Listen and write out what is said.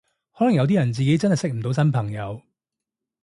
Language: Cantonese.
可能有啲人自己真係識唔到新朋友